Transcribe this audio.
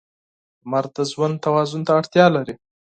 • لمر د ژوند توازن ته اړتیا لري.